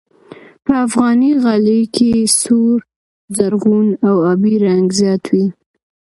په افغاني غالۍ کې سور، زرغون او آبي رنګ زیات وي.